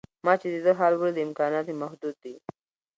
ما چې د ده حال ولید امکانات یې محدود دي.